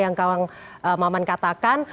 yang kawan maman katakan